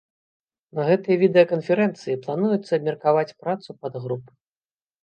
На гэтай відэаканферэнцыі плануецца абмеркаваць працу падгруп.